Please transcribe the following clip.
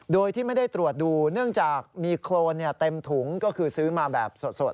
โดยที่ไม่ได้ตรวจดูเนื่องจากมีโครนเต็มถุงก็คือซื้อมาแบบสด